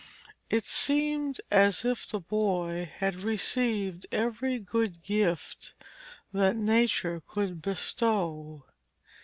It seemed as if the boy had received every good gift that Nature could bestow.